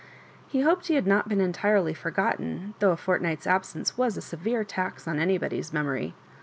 He hoped he had not been entirely forgotten, though a fortnight's absence was a severe tax on anybody's memory.